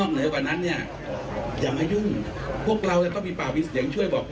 โดยมีชันยด